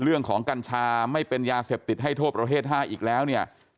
กัญชาไม่เป็นยาเสพติดให้โทษประเภท๕อีกแล้วเนี่ย